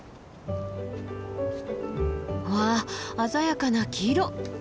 わあ鮮やかな黄色。